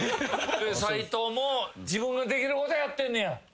斉藤も自分ができることやってんねや？